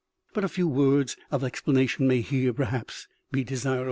But a few words of explana tion may here perhaps be desirable.